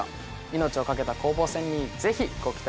命をかけた攻防戦にぜひご期待